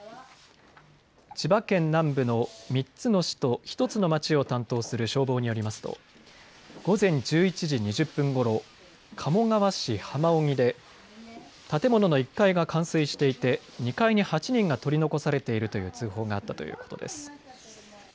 千葉県南部の３つの市と１つの町を担当する消防によりますと午前１１時２０分ごろ鴨川市浜荻で建物の１階が冠水していて２階に８人が取り残されているという通報があったということです。